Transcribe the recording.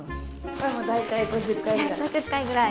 これも大体５０回ぐらい。